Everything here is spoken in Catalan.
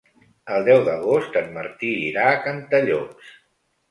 El deu d'agost en Martí irà a Cantallops.